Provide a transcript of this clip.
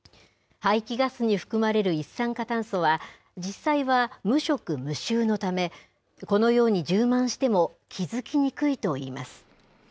排気ガスに含まれる一酸化炭素は、実際は無色・無臭のため、このように充満しても気付きにくいといいます。